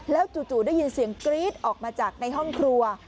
จู่ได้ยินเสียงกรี๊ดออกมาจากในห้องครัว